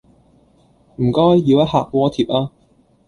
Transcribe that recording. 唔該，要一客鍋貼吖